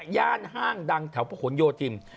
ย่านห้างดังแถวพระหลโยธิน